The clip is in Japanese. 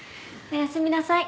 おやすみなさい。